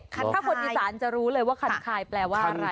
ถ้าคนอีสานจะรู้เลยว่าคันคายแปลว่าอะไร